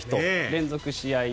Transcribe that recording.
連続試合